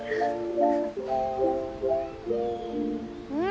うん！